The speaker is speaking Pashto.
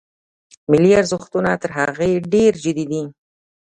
ملي ارزښتونه تر هغه ډېر جدي دي.